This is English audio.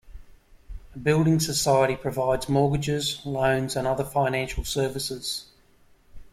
A building society provides mortgages, loans and other financial services